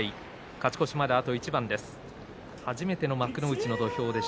勝ち越しまで、あと一番です。